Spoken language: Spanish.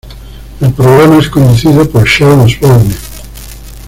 El programa es conducido por Sharon Osbourne.